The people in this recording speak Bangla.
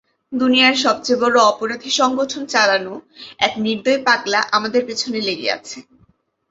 দুনিয়ার সবচেয়ে বড়ো অপরাধী সংগঠন চালানো এক নির্দয় পাগলা আমাদের পেছনে লেগে আছে।